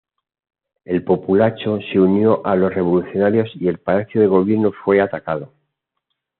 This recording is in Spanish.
El populacho se unió a los revolucionarios y el Palacio de Gobierno fue atacado.